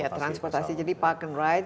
ya transportasi jadi park and ride